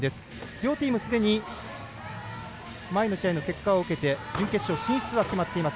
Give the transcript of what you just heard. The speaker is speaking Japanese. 両チームすでに前の試合の結果を受けて準決勝進出は決まっています。